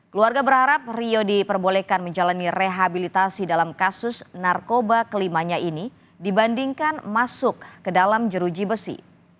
keluarga berharap rio diperbolehkan menjalani rehabilitasi dalam kasus narkoba kelimanya ini dibandingkan masuk ke dalam jeruji besi